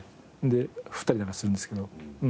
で振ったりなんかするんですけど。